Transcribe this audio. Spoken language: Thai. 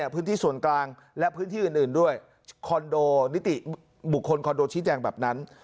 พื้นที่ส่วนกลางและพื้นที่อื่นด้วยคอนโดนิติบุคคลคอนโดชี้แจงแบบนั้น